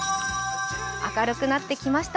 明るくなってきました。